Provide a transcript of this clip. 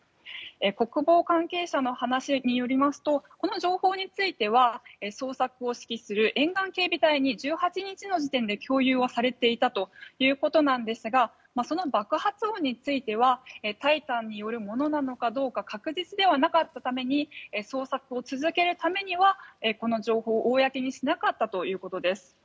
国防関係者の話によりますとこの情報については捜索を指揮する沿岸警備隊に１８日の時点で共有はされていたということですがその爆発音については「タイタン」によるものなのかどうか確実ではなかったために捜索を続けるためにはこの情報を公にしなかったということです。